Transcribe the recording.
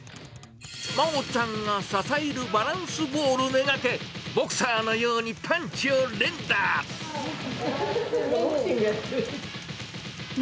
まおちゃんが支えるバランスボールめがけ、ボクサーのようにパンボクシングやってる。